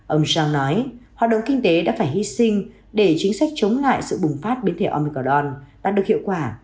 ông zhang nói hoạt động kinh tế đã phải hy sinh để chính sách chống lại sự bùng phát biến thể omicron đã được hiệu quả